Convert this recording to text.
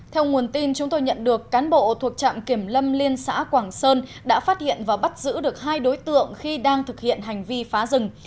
theo nguồn tin chúng tôi nhận được cán bộ thuộc trạm kiểm lâm liên xã quảng sơn đã phát hiện và bắt giữ được hai đối tượng khi đang thực hiện hành vi phá rừng